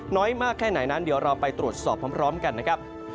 น้อยมากแค่ไหนนั้นเดี๋ยวเราไปตรวจสอบพร้อมกันนะครับ